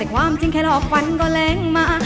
แต่ความจริงแค่เหลือฝันก็แหลงมา